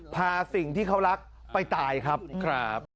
พาสิ่งที่เขารักไปตายครับ